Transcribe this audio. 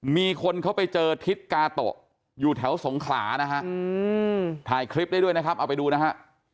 มีคนเขาไปเจอทิศกาโตะอยู่แถวสงขลานะฮะถ่ายคลิปได้ด้วยนะครับเอาไปดูนะฮะ